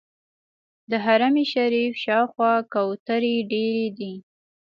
د حرم شریف شاوخوا کوترې ډېرې دي.